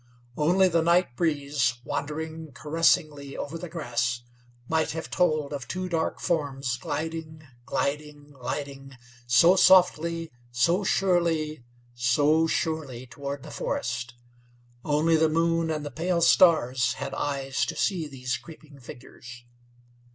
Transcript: Only the night breeze, wandering caressingly over the grass, might have told of two dark forms gliding, gliding, gliding so softly, so surely, so surely toward the forest. Only the moon and the pale stars had eyes to see these creeping figures.